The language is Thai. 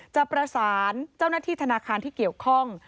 จะประสานเจ้าหน้าที่ธนาคารที่เกี่ยวข้อง